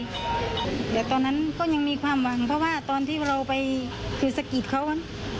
เดี๋ยวตอนนั้นก็ยังมีความหวังเพราะว่าตอนที่เราไปคือสะกิดเขา